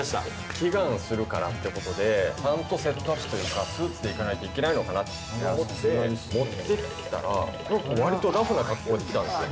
祈願をするからってことで、ちゃんとセットアップというか、スーツで行かないといけないのかなと思って持っていったら、なんか割とラフな格好で来たんですよ。